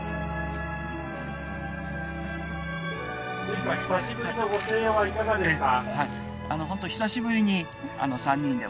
陛下久しぶりのご静養はいかがですか？